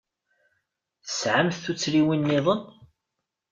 Tesɛamt tuttriwin-nniḍen?